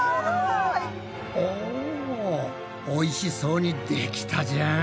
おぉおいしそうにできたじゃん！